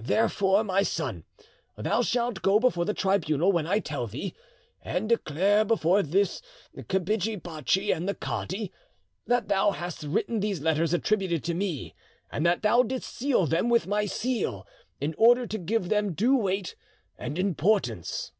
Therefore, my son, thou shalt go before the tribunal when I tell thee, and declare before this kapidgi bachi and the cadi that thou hast written these letters attributed to me, and that thou didst seal them with my seal, in order to give them due weight and importance."